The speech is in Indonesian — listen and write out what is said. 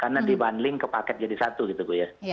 karena di bundling ke paket jadi satu gitu bu ya